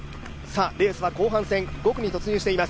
レースは後半戦、５区に突入しています。